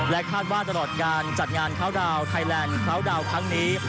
คาดว่าตลอดงานจัดงานเข้าดาวน์ไทยแลนด์คราวดาวน์ครั้งนี้